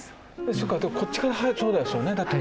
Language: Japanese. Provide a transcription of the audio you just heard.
そうかこっちからそうですよねだって